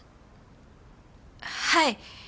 はい。